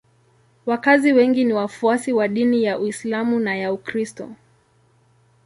Wakazi wengi ni wafuasi wa dini ya Uislamu na ya Ukristo.